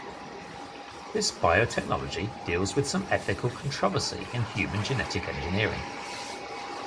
This biotechnology deals with some ethical controversy in human genetic engineering.